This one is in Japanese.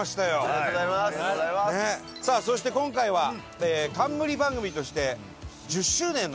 伊達：さあ、そして今回は冠番組として１０周年なんですよ。